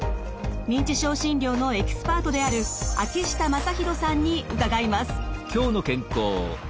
認知症診療のエキスパートである秋下雅弘さんに伺います。